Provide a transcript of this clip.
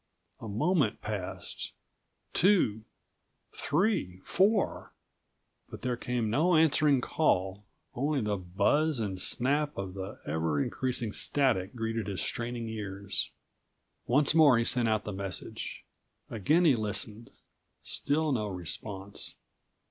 A moment passed, two, three, four; but there came no answering call. Only the buzz and snap of the ever increasing static greeted his straining ears. Once more he sent out the message; again he listened. Still no response.